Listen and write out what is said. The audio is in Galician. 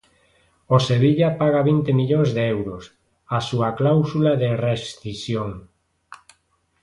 O Sevilla paga vinte millóns de euros, a súa cláusula de rescisión.